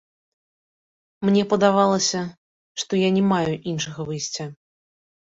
Мне падавалася, што я не маю іншага выйсця.